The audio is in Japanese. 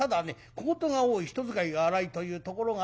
小言が多い人使いが荒いというところがある。